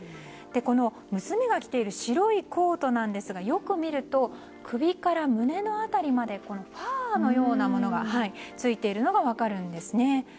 この娘が着ている白いコートですがよく見ると、首から胸の辺りまでファーのようなものがついているのが分かるんです。